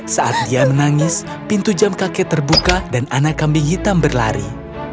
saat dia menangis pintu jam kakek terbuka dan anak kambing hitam berlari